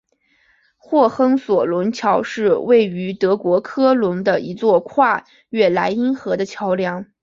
霍亨索伦桥是位于德国科隆的一座跨越莱茵河的桥梁。